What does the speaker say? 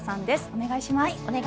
お願いします。